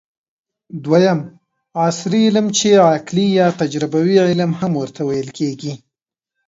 دویم : عصري علم چې عقلي یا تجربوي علم هم ورته ويل کېږي